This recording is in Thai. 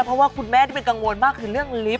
เพราะว่าคุณแม่ที่เป็นกังวลมากคือเรื่องลิฟต